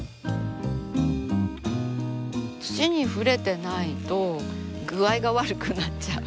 土に触れてないと具合が悪くなっちゃう。